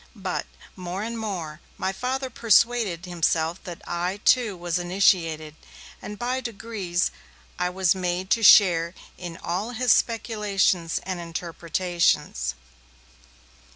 But, more and more, my Father persuaded himself that I, too, was initiated, and by degrees I was made to share in all his speculations and interpretations.